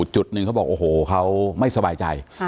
จุดหนึ่งเขาบอกโอ้โหเขาไม่สบายใจ